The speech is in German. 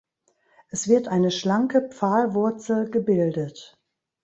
Es wird eine schlanke Pfahlwurzel gebildet.